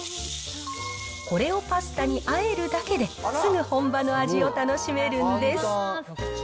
これをパスタにあえるだけで、すぐ本場の味を楽しめるんです。